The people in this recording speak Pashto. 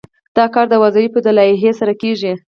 دا کار د وظایفو له لایحې سره کیږي.